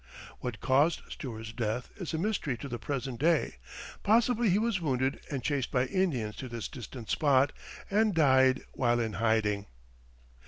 What caused Stuart's death is a mystery to the present day; possibly he was wounded and chased by Indians to this distant spot, and died while in hiding.